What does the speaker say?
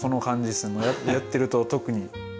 やってると特に。